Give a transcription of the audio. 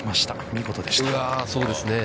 見事でした。